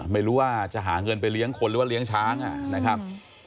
ไม่รู้ว่าจะหาเงินไปเลี้ยงคนหรือว่าเลี้ยงช้างนะครับ